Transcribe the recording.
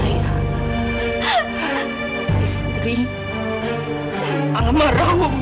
dia gantung diri karena di phk secara tidak darah hormat